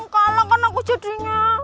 kalau aku jadinya